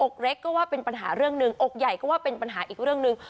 เล็กก็ว่าเป็นปัญหาเรื่องหนึ่งอกใหญ่ก็ว่าเป็นปัญหาอีกเรื่องหนึ่ง